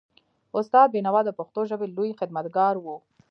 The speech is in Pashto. استاد بینوا د پښتو ژبې لوی خدمتګار و.